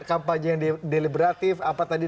kampanye yang deliberatif apa tadi